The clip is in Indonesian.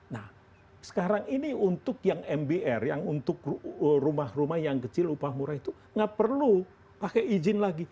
nah sekarang ini untuk yang mbr yang untuk rumah rumah yang kecil upah murah itu nggak perlu pakai izin lagi